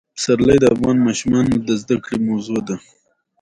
پسرلی د افغان ماشومانو د زده کړې موضوع ده.